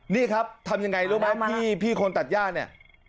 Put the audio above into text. นี่ครับทำยังไงรู้ไหมพี่คนตัดย่าเนี่ย